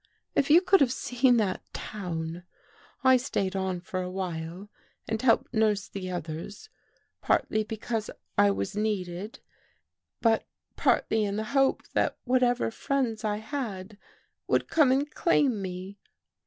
If you could have seen that town! I stayed on for a while and helped nurse the others, partly because I was needed, but partly in the hope that whatever friends I had would come and claim me.